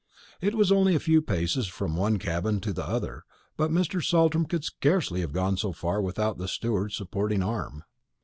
It was only a few paces from one cabin to the other; but Mr. Saltram could scarcely have gone so far without the steward's supporting arm.